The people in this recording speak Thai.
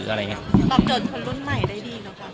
ตอบโจทย์คนรุ่นใหม่ได้ดีหรือยังครับ